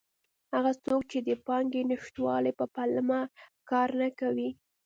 هغه څوک چې د پانګې نشتوالي په پلمه کار نه کوي.